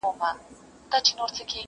o د زرو په قدر زرگر پوهېږي!